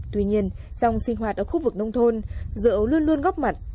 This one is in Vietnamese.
tuy nhiên trong sinh hoạt ở khu vực nông thôn diệu luôn luôn góp mặt